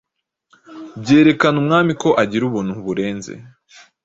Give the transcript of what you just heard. byerekana umwami ko agira ubuntu burenze